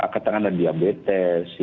ketika ada diabetes